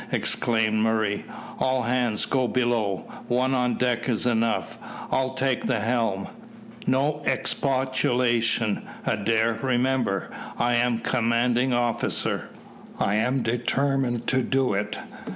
exclaimed Murray. "All hands go below; one on deck is enough. I'll take the helm. No expostulation, Adair; remember, I am commanding officer. I am determined to do it."